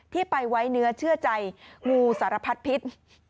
ที่ไปไว้เนื้อเชื่อใจงูสารพัดพิษ